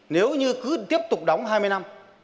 nếu như cứ tiếp tục đóng hai mươi năm